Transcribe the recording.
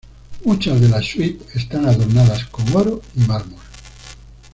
Muchas de las suites están adornadas con oro y mármol.